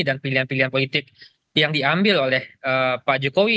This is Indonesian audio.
dan pilihan pilihan politik yang diambil oleh pak jokowi